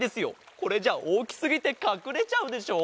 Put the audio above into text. これじゃおおきすぎてかくれちゃうでしょ？